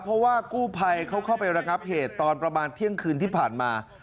เพราะว่ากู้ภัยเขาเข้าไประงับเหตุตอนประมาณเที่ยงคืนที่ผ่านมา